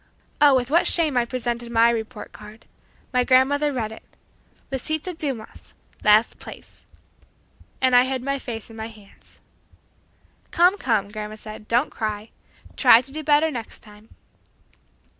oh, with what shame I presented my report card. My grandmother read it. "Lisita Dumas last place!" and I hid my face in my hands. "Come, come," grandma said, "don't cry. Try to do better next time."